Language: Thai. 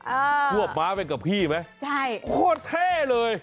ควบม้าไปกับพี่ไหมใช่โคตรเท่เลย